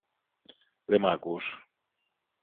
Δε μ’ ακούς